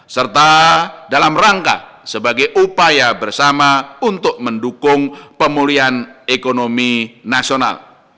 serta dalam rangka sebagai upaya bersama untuk mendukung pemulihan ekonomi nasional